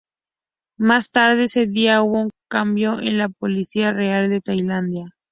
Más tarde ese día, hubo un cambio en la Policía Real de Tailandia.